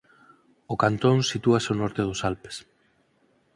O cantón sitúase ao norte dos Alpes.